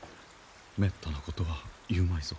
めったなことは言うまいぞ。